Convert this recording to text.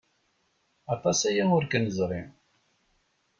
Aṭas aya ur k-neẓri.